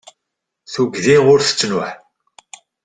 Tuggdi ur tettnuḥ.